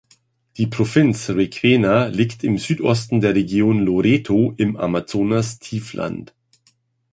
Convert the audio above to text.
Die Provinz Requena liegt im Südosten der Region Loreto im Amazonastiefland.